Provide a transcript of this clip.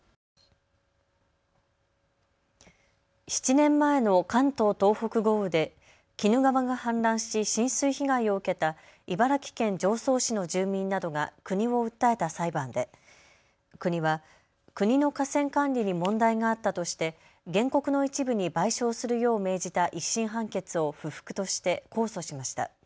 ７年前の関東・東北豪雨で鬼怒川が氾濫し浸水被害を受けた茨城県常総市の住民などが国を訴えた裁判で国は国の河川管理に問題があったとして原告の一部に賠償するよう命じた１審判決を不服として控訴しました。